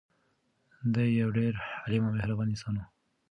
دی یو ډېر حلیم او مهربان انسان و.